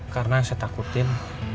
karena yang saya takutin